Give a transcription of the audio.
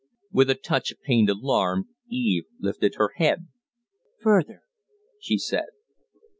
With a touch of pained alarm, Eve lifted her head. "Further?" she said.